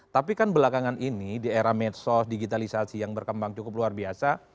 tapi kan belakangan ini di era medsos digitalisasi yang berkembang cukup luar biasa